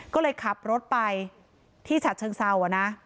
ก็เลยขับรถไปที่ฉัดเชิงเซานะ